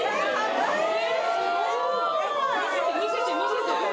えすごい！